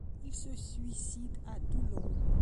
Il se suicide à Toulon.